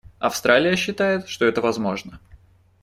Австралия считает, что это возможно.